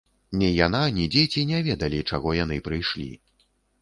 Ні яна, ні дзеці не ведалі, чаго яны прыйшлі.